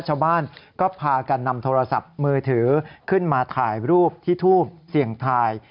ชาวบ้านก็พากันนำโทรศัพท์มือถือขึ้นมาถ่ายรูปที่ทูบเสี่ยงทาย